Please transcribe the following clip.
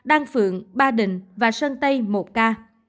hai ca đăng phượng ba định và sơn tây một ca